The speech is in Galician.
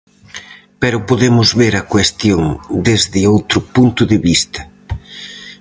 Pero podemos ver a cuestión desde outro punto de vista.